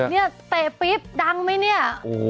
เนี่ยเตะปิ๊บดังไหมเนี่ย